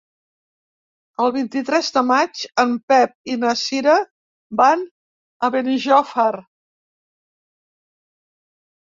El vint-i-tres de maig en Pep i na Cira van a Benijòfar.